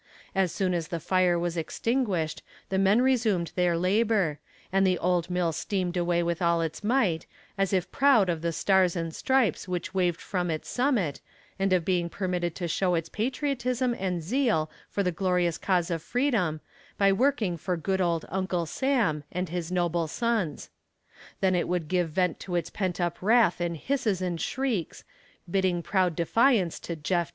As soon as the fire was extinguished the men resumed their labor, and the old mill steamed away with all its might, as if proud of the "stars and stripes" which waved from its summit, and of being permitted to show its patriotism and zeal for the glorious cause of freedom by working for good old "Uncle Sam" and his noble sons. Then it would give vent to its pent up wrath in hisses and shrieks, bidding proud defiance to Jeff.